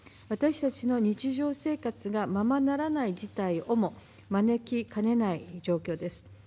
私たちの日常生活がままならない事態をも招きかねない状況です。